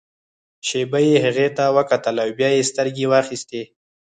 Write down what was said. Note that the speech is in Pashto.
شېبه يې هغې ته وکتل او بيا يې سترګې واخيستې.